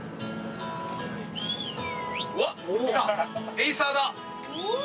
エイサーだ。